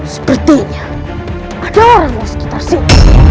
sepertinya ada orang di sekitar sini